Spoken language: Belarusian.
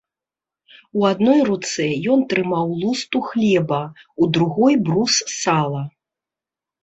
У адной руцэ ён трымаў лусту хлеба, у другой брус сала.